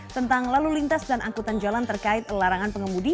tentang lalu lintas dan angkutan jalan terkait larangan pengemudi